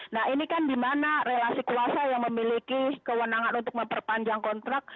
nah ini kan di mana relasi kuasa yang memiliki kewenangan untuk memperpanjang kontrak